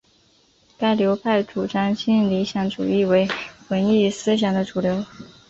该流派主张新理想主义为文艺思想的主流。